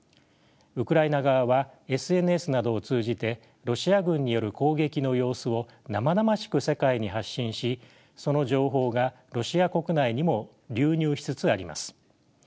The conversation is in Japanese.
ウクライナ側はＳＮＳなどを通じてロシア軍による攻撃の様子を生々しく世界に発信しその情報がロシア国内にも流入しつつあります。